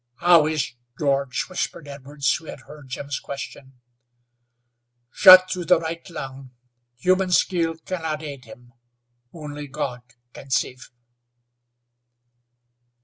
"How is George?" whispered Edwards, who had heard Jim's question. "Shot through the right lung. Human skill can not aid him! Only God can save."